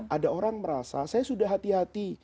ada orang merasa saya sudah hati hati